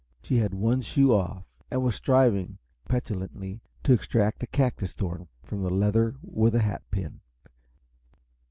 She had one shoe off, and was striving petulantly to extract a cactus thorn from the leather with a hat pin.